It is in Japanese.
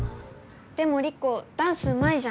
でもリコダンスうまいじゃん。